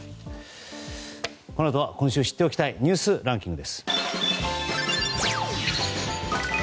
このあとは今週知っておきたいニュースランキング。